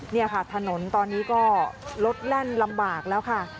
นี่ค่ะถนนตอนนี้ก็รถแล่นลำบากแล้วค่ะ